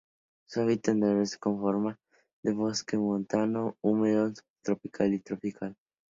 Su hábitat natural se conforma de bosque montano húmedo subtropical o tropical.